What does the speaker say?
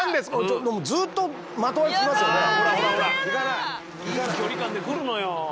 いい距離感で来るのよ。